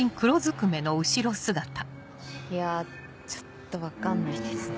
いやちょっと分かんないですね。